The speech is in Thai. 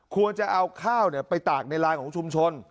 ควรจะเอาข้าวไปตากในลายของชุมชน